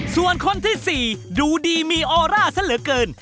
ส่วนคนที่๔ดูดีมีออร่าซะเหลือเกิน